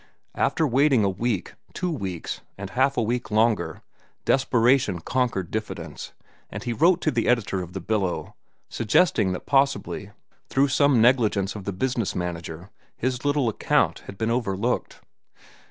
After waiting a week, two weeks, and half a week longer, desperation conquered diffidence, and he wrote to the editor of The Billow, suggesting that possibly through some negligence of the business manager his little account had been overlooked.